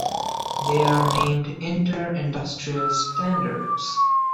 They are named inter-industrial standards.